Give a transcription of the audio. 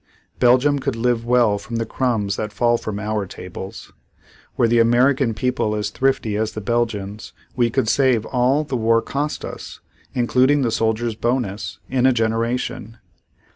Belgium could live well from the crumbs that fall from our tables. Were the American people as thrifty as the Belgians, we could save all the war cost us, including the soldiers' bonus, in a generation.